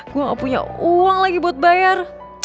gue gak punya uang lagi buat bayar